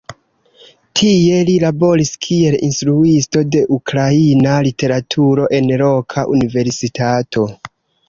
Tie li laboris kiel instruisto de ukraina literaturo en loka universitato.